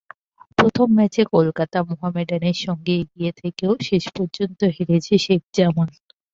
প্রথম ম্যাচে কলকাতা মোহামেডানের সঙ্গে এগিয়ে থেকেও শেষ পর্যন্ত হেরেছে শেখ জামাল।